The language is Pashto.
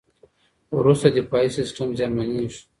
وروسته دفاعي سیستم زیانمنېږي.